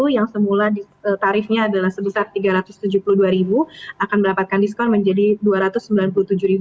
yang semula tarifnya adalah sebesar rp tiga ratus tujuh puluh dua akan mendapatkan diskon menjadi rp dua ratus sembilan puluh tujuh